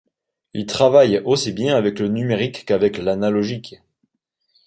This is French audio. Il travaille aussi bien avec le numérique qu'avec l'analogique.